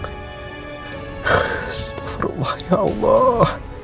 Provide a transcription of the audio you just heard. astagfirullah ya allah